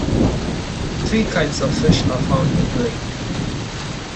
Three kinds of fish are found in the lake.